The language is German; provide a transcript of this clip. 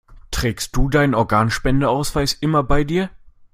Trägst du deinen Organspendeausweis immer bei dir?